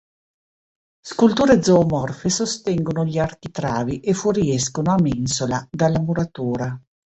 Sculture zoomorfe sostengono gli architravi e fuoriescono, a mensola, dalla muratura.